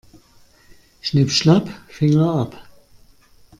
Schnipp-schnapp, Finger ab.